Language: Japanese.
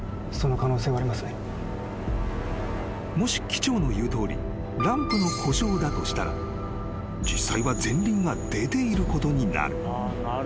［もし機長の言うとおりランプの故障だとしたら実際は前輪が出ていることになる］